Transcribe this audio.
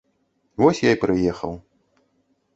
Вось я й прыехаў.